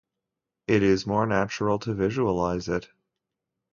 It is more natural to visualize it.